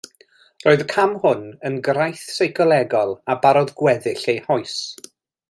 Roedd y cam hwn yn graith seicolegol a barodd gweddill ei hoes.